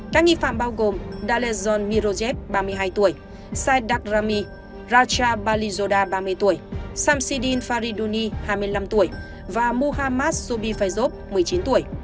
các nghi phạm bao gồm dalezon mirojev ba mươi hai tuổi saeed dakrami racha balizoda ba mươi tuổi samsidin fariduni hai mươi năm tuổi và muhammad sobhi faizob một mươi chín tuổi